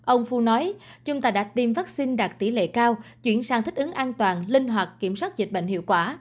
ông phu nói chúng ta đã tiêm vaccine đạt tỷ lệ cao chuyển sang thích ứng an toàn linh hoạt kiểm soát dịch bệnh hiệu quả